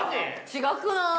違くない？